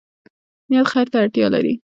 نیت خیر ته اړتیا لري